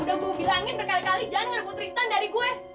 udah gue bilangin berkali kali jangan ngergo tristan dari gue